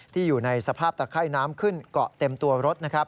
ที่อยู่ในสภาพตะไคร้น้ำขึ้นเกาะเต็มตัวรถ